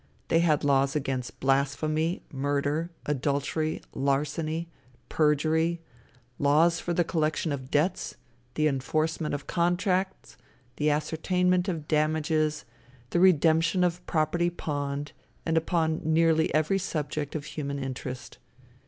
They had laws against blasphemy, murder, adultery, larceny, perjury, laws for the collection of debts, the enforcement of contracts, the ascertainment of damages, the redemption of property pawned, and upon nearly every subject of human interest.